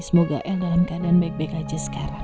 semoga l dalam keadaan baik baik aja sekarang